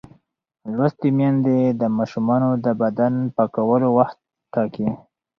لوستې میندې د ماشومانو د بدن پاکولو وخت ټاکي.